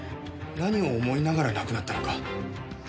何を思いながら亡くなったのか。